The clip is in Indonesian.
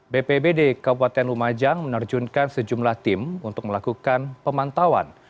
bppd kapolaten lumajang menerjunkan sejumlah tim untuk melakukan pemantauan